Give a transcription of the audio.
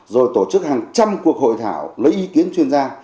rồi tổ chức hàng trăm cuộc hội thảo lấy ý kiến chuyên gia